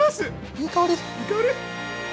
いい香り！